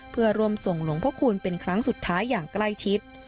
เพื่อร่วมส่งหลวงพระคูณเป็นครั้งสุดท้ายอย่างใกล้ชิด